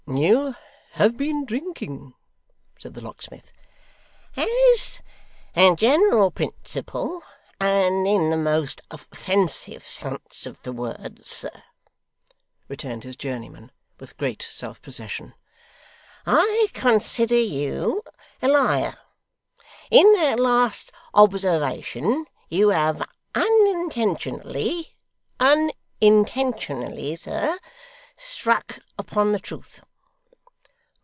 'You have been drinking,' said the locksmith. 'As a general principle, and in the most offensive sense of the words, sir,' returned his journeyman with great self possession, 'I consider you a liar. In that last observation you have unintentionally unintentionally, sir, struck upon the truth.